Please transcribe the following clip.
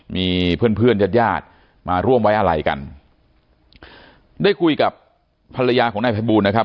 มีเพื่อนยัดยาดมาร่วมไว้อะไรกันได้คุยกับภรรยาของนายไพบูลนะครับ